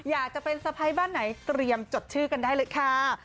อยากจะเป็นสะพ้ายบ้านไหนเตรียมจดชื่อกันได้เลยค่ะ